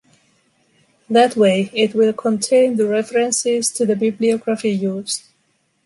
That way, it will contain the references to the bibliography used.